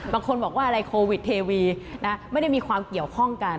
บางคนบอกว่าอะไรโควิดเทวีไม่ได้มีความเกี่ยวข้องกัน